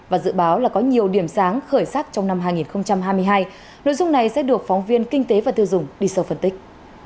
và dự báo là có nhiều điểm sáng khởi sắc trong năm hai nghìn hai mươi hai nội dung này sẽ được phóng viên kinh tế và tiêu dùng đi sâu phân tích